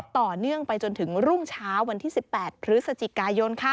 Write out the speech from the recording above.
ต่อเนื่องไปจนถึงรุ่งเช้าวันที่๑๘พฤศจิกายน